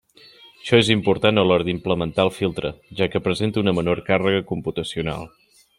Això és important a l'hora d'implementar el filtre, ja que presenta una menor càrrega computacional.